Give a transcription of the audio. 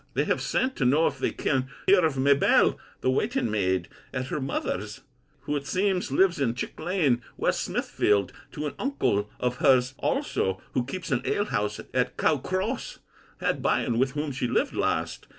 They have sent to know if they can hear of Mabell, the waiting maid, at her mother's, who it seems lives in Chick lane, West Smithfield; and to an uncle of her's also, who keeps an alehouse at Cow cross, had by, and with whom she lived last.